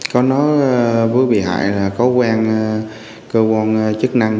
có nói với bị hại là có quen cơ quan chức năng